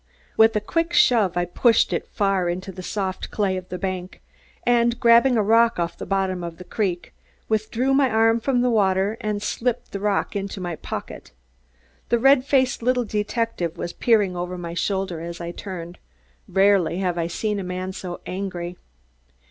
With a quick shove I pushed it far into the soft clay of the bank, and, grabbing a rock off the bottom of the creek, withdrew my arm from the water and slipped the rock into my pocket. The red faced little detective was peering over my shoulder as I turned. Rarely have I seen a man so angry.